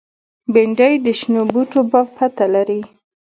بېنډۍ د شنو بوټو پته لري